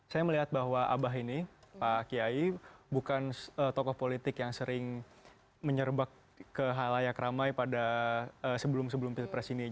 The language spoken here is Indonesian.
saya melihat bahwa abah ini pak kiai bukan tokoh politik yang sering menyerbak ke halayak ramai pada sebelum sebelum pilpres ini